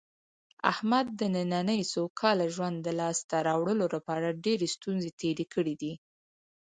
احمد د نننۍ سوکاله ژوند د لاسته راوړلو لپاره ډېرې ستونزې تېرې کړې دي.